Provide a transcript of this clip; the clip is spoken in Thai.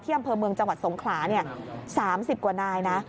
อำเภอเมืองจังหวัดสงขลา๓๐กว่านายนะ